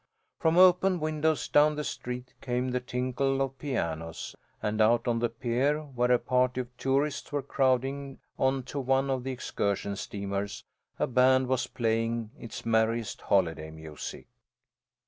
From open windows down the street came the tinkle of pianos, and out on the pier, where a party of tourists were crowding on to one of the excursion steamers, a band was playing its merriest holiday music.